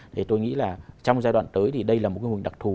thì tôi nghĩ là trong giai đoạn tới thì đây là một cái nguồn đặc thù